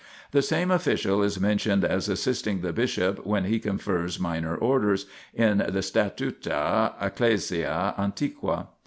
The same official is men tioned as assisting the bishop when he confers minor orders in the Statuta ecclesiae antiqua.